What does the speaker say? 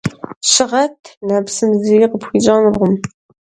Щыгъэт, нэпсым зыри къыпхуищӀэнукъым.